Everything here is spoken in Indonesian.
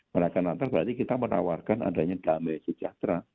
merayakan natal berarti kita menawarkan adanya damai sejahtera